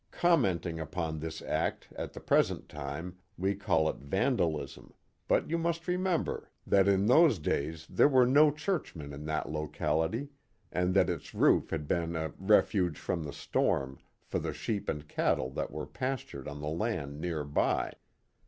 Commenting upon this act at the present time we call it vandalism, but you must remember that in those days there 92 The Mohawk Valley were no churchmen in that locality, and that its roof had been a '* refuge from the storm " for the sheep and cattle that were pastured on the land near by.